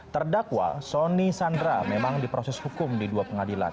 terdakwa soni sandra memang diproses hukum di dua pengadilan